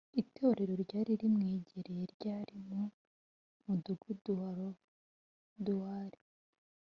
itorero ryari rimwegereye ryari mu mudugudu wa loduwari